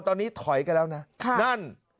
ตอนนี้ถอยกันแล้วนะนั่น